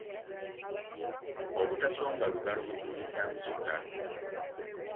Obutasonga lugalo mu kinnya kya musota.